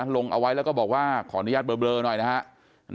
ลงเอาไว้แล้วก็บอกว่าขออนุญาตเบลอหน่อยนะครับ